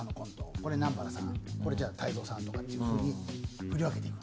これ南原さんこれじゃあ泰造さんとかっていうふうに振り分けていく。